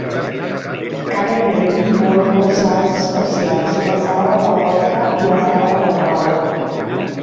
Cada nivell inclou dues sales especials, la Sala de la Porta i la Sala de la Clau.